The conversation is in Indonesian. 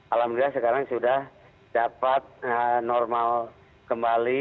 alhamdulillah sekarang sudah dapat normal kembali